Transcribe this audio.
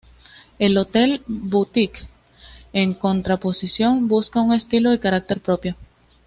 El hotel "boutique", en contraposición, busca un estilo y carácter propio.